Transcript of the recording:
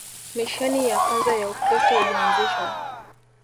Misheni ya kwanza ya Ukristo ilianzishwa